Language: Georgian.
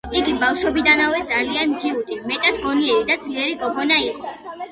იგი ბავშვობიდანვე ძალიან ჯიუტი, მეტად გონიერი და ძლიერი გოგონა იყო.